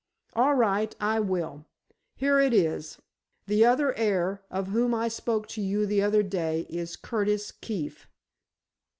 "All right, I will. Here it is. The other heir, of whom I spoke to you the other day, is Curtis Keefe."